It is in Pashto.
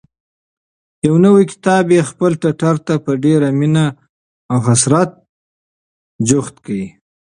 یو نوی کتاب یې خپل ټټر ته په ډېرې مینې او حسرت جوخت کړ.